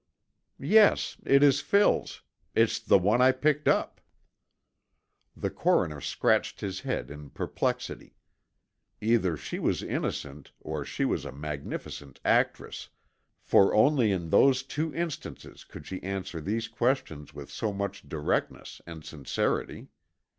"Yes. It is Phil's. It's the one I picked up." The coroner scratched his head in perplexity. Either she was innocent or she was a magnificent actress, for only in those two instances could she answer these questions with so much directness and sincerity.